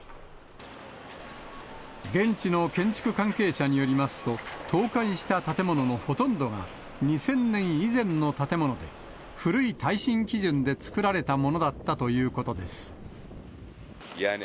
現地の建築関係者によりますと、倒壊した建物のほとんどが２０００年以前の建物で、古い耐震基準でつくられたものだったということです。